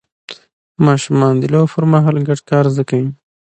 ماشومان د لوبو پر مهال ګډ کار زده کوي